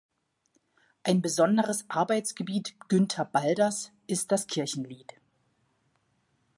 Ein besonderes Arbeitsgebiet Günter Balders´ ist das Kirchenlied.